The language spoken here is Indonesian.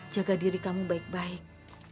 jaga diri kamu baik baik